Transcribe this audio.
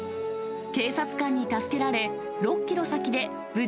警察官に助けられ、６キロ先で無